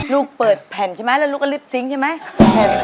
ลูกเปิดแผ่นใช่ไหมแล้วลูกก็รีบทิ้งใช่ไหม